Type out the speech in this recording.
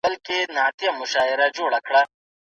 د الکولو څکلو بڼه مهمه ده.